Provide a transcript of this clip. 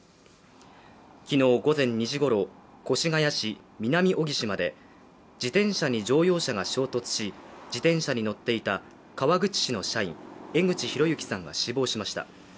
昨日午前２時ごろ、越谷市南荻島で自転車に乗用車が衝突し自転車に乗っていた川口市の会社員江口浩幸さんが死亡しました。